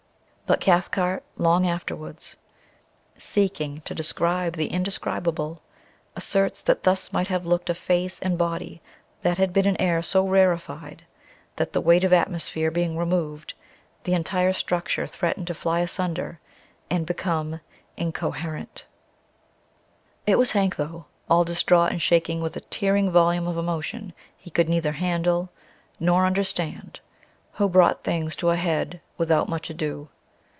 But Cathcart long afterwards, seeking to describe the indescribable, asserts that thus might have looked a face and body that had been in air so rarified that, the weight of atmosphere being removed, the entire structure threatened to fly asunder and become incoherent.... It was Hank, though all distraught and shaking with a tearing volume of emotion he could neither handle nor understand, who brought things to a head without much ado.